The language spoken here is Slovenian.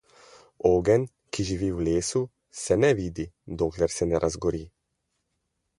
Ogenj, ki živi v lesu, se ne vidi, dokler se ne razgori.